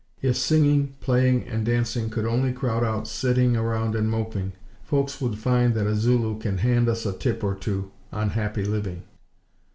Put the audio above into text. If singing, playing and dancing could only crowd out sitting around and moping, folks would find that a Zulu can hand us a tip or two on happy living."